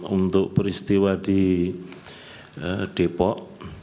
untuk peristiwa di depok